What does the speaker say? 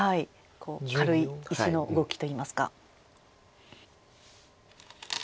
軽い石の動きといいますか。